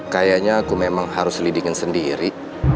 kayaknya aku memang harus leadingin sendiri